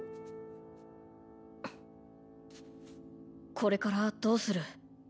これからどうする？